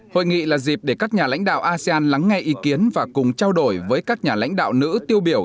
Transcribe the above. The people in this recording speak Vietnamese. hội nghị là dịp để các nhà lãnh đạo asean lắng nghe ý kiến và cùng trao đổi với các nhà lãnh đạo nữ tiêu biểu